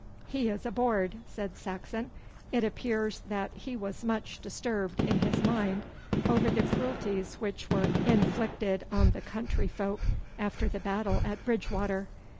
'He is aboard,' said Saxon. 'It appears that he was much disturbed in his mind over the cruelties which were inflicted on the country folk after the battle at Bridgewater.